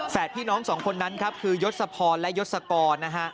พี่น้องสองคนนั้นครับคือยศพรและยศกรนะฮะ